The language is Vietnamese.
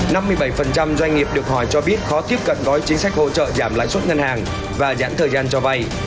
năm mươi bảy doanh nghiệp được hỏi cho biết khó tiếp cận gói chính sách hỗ trợ giảm lãi suất ngân hàng và giãn thời gian cho vay